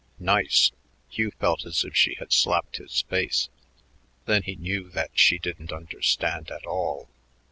Nice! Hugh felt as if she had slapped his face. Then he knew that she didn't understand at all.